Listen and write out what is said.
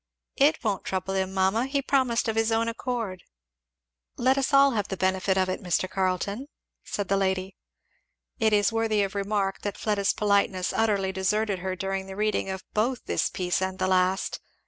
"It won't trouble him, mamma he promised of his own accord." "Let us all have the benefit of it, Mr. Carleton," said the lady. It is worthy of remark that Fleda's politeness utterly deserted her during the reading of both this piece and the last.